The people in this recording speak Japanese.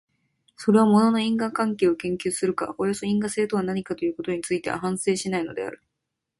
それは物の因果関係を研究するか、およそ因果性とは何かということについては反省しないのである。